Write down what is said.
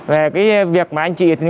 về cái việc mà anh chị